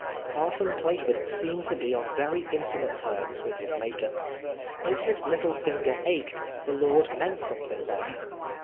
Parson Plaford seemed to be on very intimate terms with his maker. If his little finger ached, the Lord meant something by it.